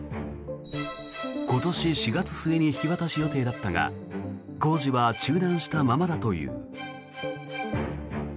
今年４月末に引き渡し予定だったが工事は中断したままだという。